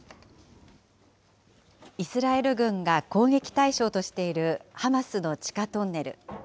イスラエル軍が攻撃対象としているハマスの地下トンネル。